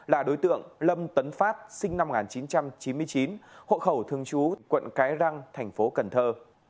là đối tượng lâm tấn phát sinh năm một nghìn chín trăm chín mươi chín hộ khẩu thường trú quận cái răng thành phố cần thơ